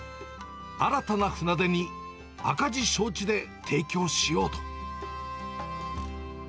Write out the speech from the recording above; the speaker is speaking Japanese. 新たな船出に赤字承知で提供しようと。